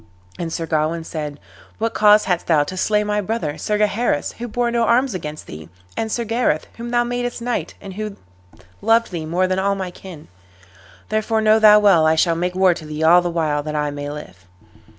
And Sir Gawain said, "What cause hadst thou to slay my brother, Sir Gaheris, who bore no arms against thee, and Sir Gareth, whom thou madest knight, and who loved thee more than all my kin? Therefore know thou well I shall make war to thee all the while that I may live."